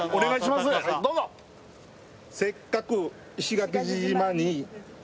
「せっかく石垣島に」